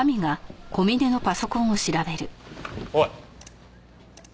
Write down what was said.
おい。